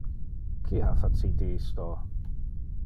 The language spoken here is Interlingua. Qui ha facite isto?